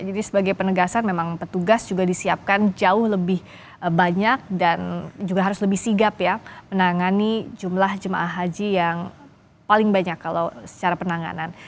jadi sebagai penegasan memang petugas juga disiapkan jauh lebih banyak dan juga harus lebih sigap ya menangani jumlah jemaah haji yang paling banyak kalau secara penanganan